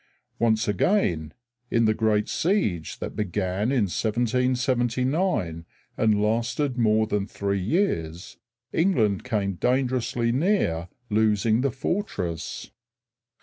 Once again, in the great siege that began in 1779 and lasted more than three years, England came dangerously near losing the fortress.